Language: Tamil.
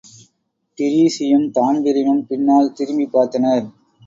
டிரீஸியும், தான்பிரீனும் பின்னால் திரும்பிப் பார்த்தனர்.